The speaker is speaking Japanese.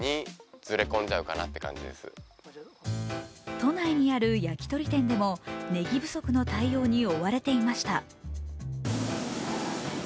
都内にある焼き鳥店でもねぎ不足の対応に追われていました。